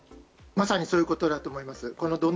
まさにそういうことだと思います。